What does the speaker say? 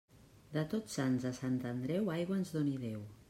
De Tots Sants a Sant Andreu, aigua ens doni Déu.